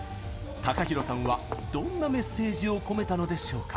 ＴＡＫＡＨＩＲＯさんはどんなメッセージを込めたのでしょうか。